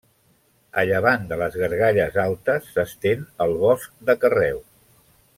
A llevant de les Gargalles Altes s'estén el Bosc de Carreu.